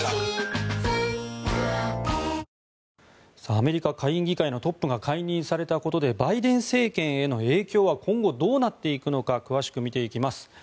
アメリカ下院議会のトップが解任されたことでバイデン政権への影響は今後どうなっていくのか詳しく見ていきます。